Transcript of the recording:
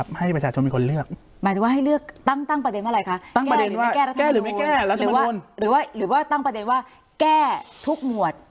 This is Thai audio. แก้หรือไม่แก้หรือว่าตั้งประเด็นแก้หรือแก้ทุกหมวด